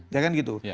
ya kan gitu